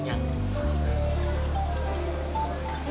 gak ada apa apa